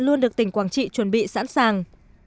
luôn được tỉnh quảng trị chuẩn bị sẵn sàng